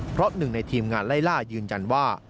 เพราะหนึ่งในทีมงานไล่ล่ายืนยันว่า